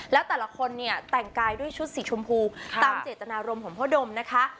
แล้วแต่ละคนเนี่ยแต่งกายด้วยชุดสีชมพูตามเจตนารมณ์ของพ่อดมนะคะ